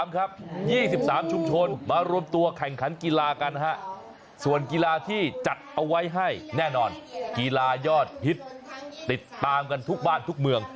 ๒๓ชุมชนมารวมตัวแข่งขันกีฬากันส่วนกีฬาที่จัดเอาไว้ให้แน่นอนกีฬายอดฮิตติดตามกันทุกบ้านทุกเมือง